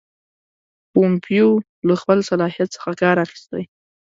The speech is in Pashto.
پومپیو له خپل صلاحیت څخه کار اخیستی.